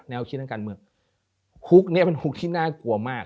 คิดทางการเมืองฮุกนี้เป็นฮุกที่น่ากลัวมาก